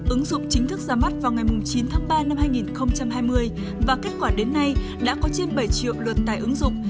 ứng dụng chính thức ra mắt vào ngày chín tháng ba năm hai nghìn hai mươi và kết quả đến nay đã có trên bảy triệu luật tài ứng dụng